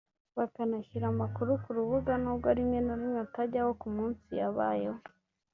bakanashyira amakuru ku rubuga n’ubwo rimwe na rimwe atajyaho ku munsi yabayeho